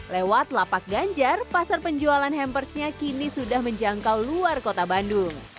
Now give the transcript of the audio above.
lewat lapak ganjar pasar penjualan hampersnya kini sudah menjangkau luar kota bandung